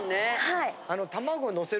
はい。